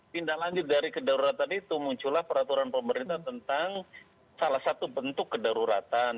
tindak lanjut dari kedaruratan itu muncullah peraturan pemerintah tentang salah satu bentuk kedaruratan